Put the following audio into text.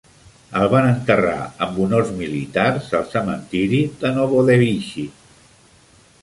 El van enterrar amb honors militars al cementiri de Novodevichy.